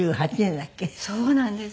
そうなんです。